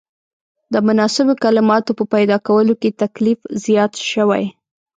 د مناسبو کلماتو په پیدا کولو کې تکلیف زیات شوی.